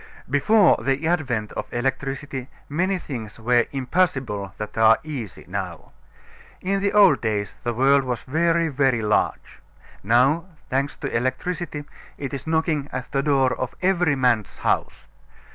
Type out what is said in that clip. Before the advent of electricity many things were impossible that are easy now. In the old days the world was very, very large; now, thanks to electricity, it is knocking at the door of every man's house.